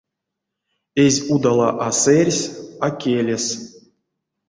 Эзь удала а сэрьс, а келес.